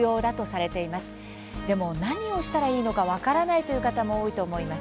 でも何をしたらいいのか分からないという方も多いと思います。